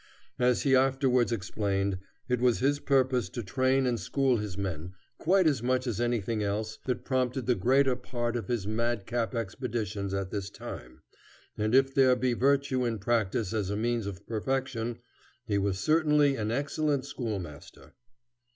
As he afterwards explained, it was his purpose to train and school his men, quite as much as anything else, that prompted the greater part of his madcap expeditions at this time, and if there be virtue in practice as a means of perfection, he was certainly an excellent school master.